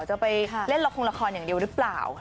จะไปเล่นรัครของละครอย่างเดียวรึเปล่า